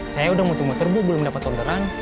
saya udah mutu muter bu belum dapat orderan